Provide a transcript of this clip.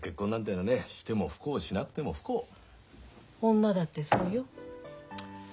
女だってそうよ。